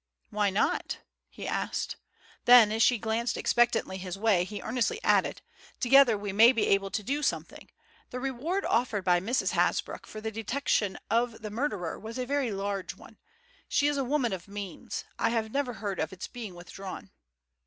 "Why not?" he asked. Then as she glanced expectantly his way, he earnestly added: "Together we may be able to do something. The reward offered by Mrs. Hasbrouck for the detection of the murderer was a very large one. She is a woman of means. I have never heard of its being withdrawn."